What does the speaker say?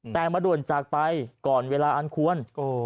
แต่มาด่วนจากไปก่อนเวลาอันควร